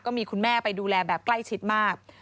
คุณแม่ไปดูแลแบบใกล้ชิดมาก